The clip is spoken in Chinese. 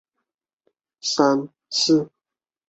而在天文学中认为农历实际上是一种阴阳历。